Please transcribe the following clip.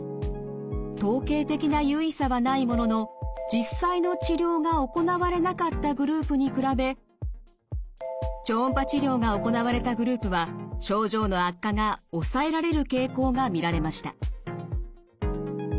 統計的な有意差はないものの実際の治療が行われなかったグループに比べ超音波治療が行われたグループは症状の悪化が抑えられる傾向が見られました。